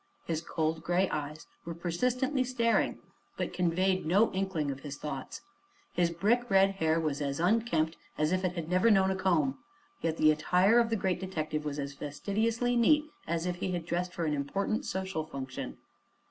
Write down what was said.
His cold gray eyes were persistently staring but conveyed no inkling of his thoughts. His brick red hair was as unkempt as if it had never known a comb, yet the attire of the great detective was as fastidiously neat as if he had dressed for an important social function.